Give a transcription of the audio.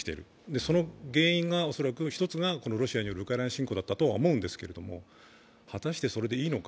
その原因の１つがロシアによるウクライナ侵攻だったと思いますが果たしてそれでいいのか。